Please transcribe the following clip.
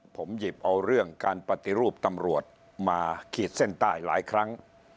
ผมหยิบเอาเรื่องการปฏิรูปตำรวจมาขีดเส้นใต้หลายครั้ง